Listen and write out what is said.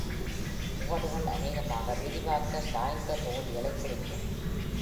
முகடுகள் அநேகமாக விரிவாக்க சாய்ந்த தொகுதிகளைக் குறிக்கும்.